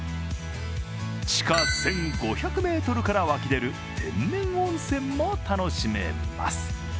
地下１５００ｍから湧き出る天然温泉も楽しめます。